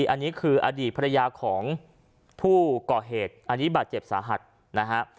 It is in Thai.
อันนี้คืออดีตภรรยาของผู้ก่อเหตุอันนี้บาดเจ็บสาหัสนะฮะ